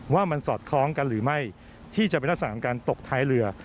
ว่ามันสอดคล้องกันหรือไม่ที่จะเป็นลักษณะของการตกท้ายเรือ